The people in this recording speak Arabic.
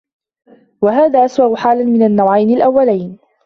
وَهَذَا أَسْوَأُ حَالًا مِنْ النَّوْعَيْنِ الْأَوَّلِينَ